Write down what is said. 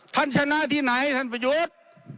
ท่านชนะที่ไหนท่านประหยุด